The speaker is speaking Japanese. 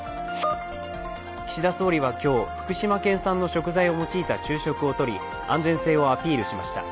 岸田総理は今日、福島県産の食材を用いた昼食をとり、安全性をアピールしました